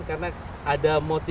karena ada motifnya